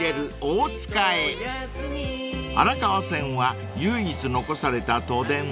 ［荒川線は唯一残された都電］